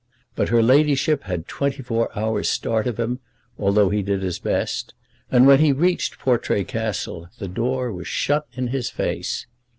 But her ladyship had twenty four hours' start of him, although he did his best; and when he reached Portray Castle the door was shut in his face.